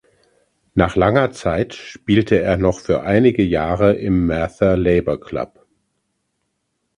Nach langer Zeit spielte er noch für einige Jahre im "Merthyr Labour Club".